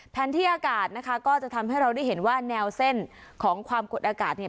ที่อากาศนะคะก็จะทำให้เราได้เห็นว่าแนวเส้นของความกดอากาศเนี่ย